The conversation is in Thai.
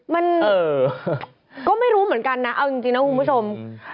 มันก็ไม่รู้เหมือนกันนะเอาจริงนะคุณผู้ชม